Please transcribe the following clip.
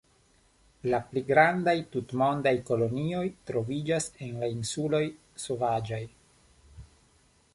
La pli grandaj tutmondaj kolonioj troviĝas en la insuloj Sovaĝaj.